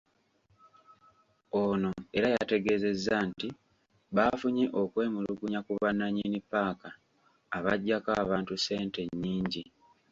Ono era yategeezezza nti baafunye okwemulugunya ku bannanyini ppaaka abaggyako abantu essente ennyingi.